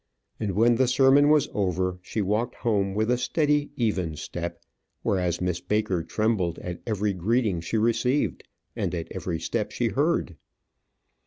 And when the sermon was over, she walked home with a steady, even step; whereas Miss Baker trembled at every greeting she received, and at every step she heard.